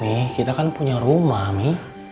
mi kita kan punya rumah mi